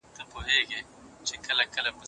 موټر چلونکي په خپل موټر کې نوي او خوشبویه عطر وپاشل.